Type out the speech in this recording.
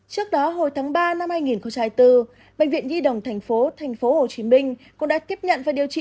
trước đó hồi tháng ba năm hai nghìn bốn bệnh viện di đồng tp hcm cũng đã tiếp nhận và điều trị